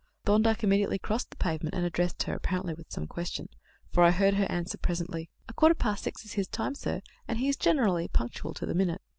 Thorndyke immediately crossed the pavement, and addressed her, apparently with some question, for I heard her answer presently: "A quarter past six is his time, sir, and he is generally punctual to the minute."